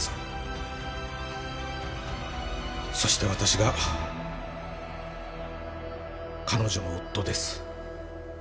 そして私が彼女の夫です。